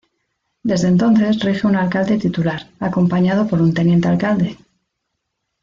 Desde entonces rige un alcalde titular, acompañado por un teniente alcalde.